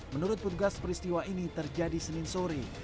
menurut petugas peristiwa ini terjadi senin sore